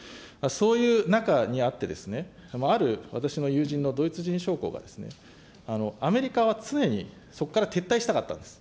そういう中にあって、ある私の友人のドイツ人将校が、アメリカは常にそこから撤退したかったんです。